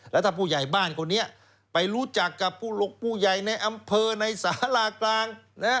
แล้วถ้าผู้ใหญ่บ้านคนนี้ไปรู้จักกับผู้หลกผู้ใหญ่ในอำเภอในสารากลาง